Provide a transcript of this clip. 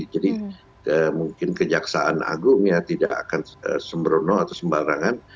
jadi mungkin kejaksaan agungnya tidak akan sembrono atau sembarangan